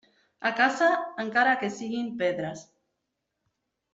A casa, encara que siguen pedres.